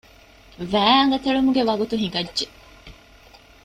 ވައި އަނގަތެޅުމުގެ ވަގުތު ހިނގައްޖެ